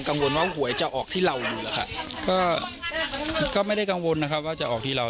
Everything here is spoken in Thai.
กังวลว่าหวยจะออกที่เราอยู่แล้วค่ะก็ก็ไม่ได้กังวลนะครับว่าจะออกที่เรา